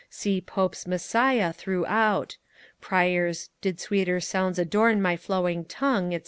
See Pope's Messiah throughout; Prior's 'Did sweeter sounds adorn my flowing tongue,' &c.